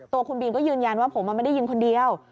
ตัวคุณบีมก็ยืนยันว่าผมไม่ได้ยินคนเดียว